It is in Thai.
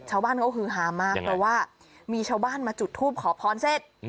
ชาวบ้านเขาฮือฮามากเพราะว่ามีชาวบ้านมาจุดทูปขอพรเสร็จ